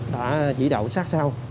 đã chỉ đạo sát sao